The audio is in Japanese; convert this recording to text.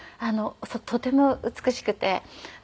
とても美しくて。